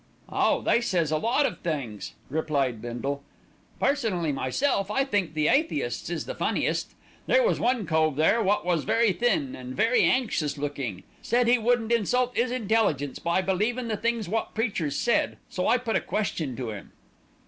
"Oh! they says a lot o' things," replied Bindle. "Personally myself I think the atheists is the funniest. There was one cove there wot was very thin, and very anxious looking. Said 'e wouldn't insult 'is intelligence by believin' the things wot preachers said, so I put a question to 'im."